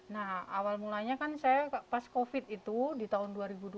nah awal mulanya kan saya pas covid itu di tahun dua ribu dua puluh